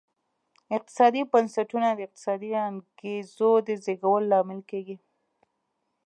اقتصادي بنسټونه د اقتصادي انګېزو د زېږولو لامل کېږي.